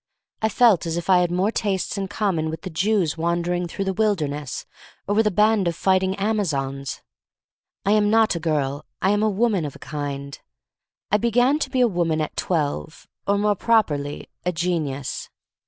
I felt as if I had more tastes in common with the Jews wan dering through the wilderness, or with a band of fighting Amazons. I am not a girl. I am a woman, of a kind. I be I40 THE STORY OF MARY MAC LANE gan to be a woman at twelve, or more properly, a genius.